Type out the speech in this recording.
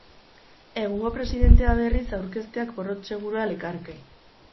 Egungo presidentea berriz aurkezteak porrot segurua lekarke.